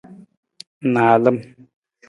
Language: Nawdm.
Naalam.